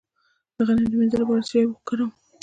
د غم د مینځلو لپاره باید څه شی وکاروم؟